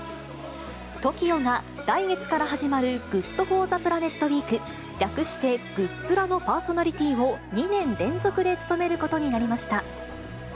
ＴＯＫＩＯが、来月から始まるグッド・フォー・ザ・プラネットウィーク、略してグップラのパーソナリティーを、２年連続で務めることになりました。